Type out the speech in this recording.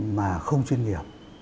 mà không chuyên nghiệp